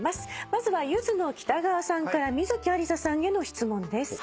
まずはゆずの北川さんから観月ありささんへの質問です。